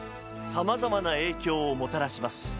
さまざまな影響をもたらします。